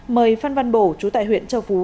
mời phan văn bổ chú tại huyện châu phú